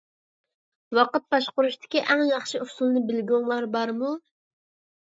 ۋاقىت باشقۇرۇشتىكى ئەڭ ياخشى ئۇسۇلنى بىلگۈڭلار بارمۇ؟